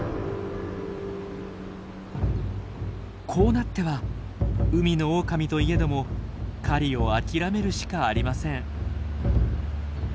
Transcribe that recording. こうなっては海のオオカミといえども狩りを諦めるしかありません。